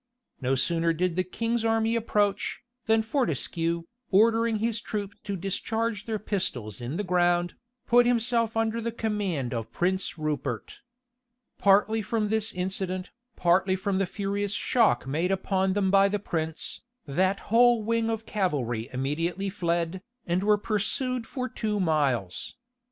No sooner did the king's army approach, than Fortescue, ordering his troop to discharge their pistols in the ground, put himself under the command of Prince Rupert. Partly from this incident, partly from the furious shock made upon them by the prince, that whole wing of cavalry immediately fled, and were pursued for two miles.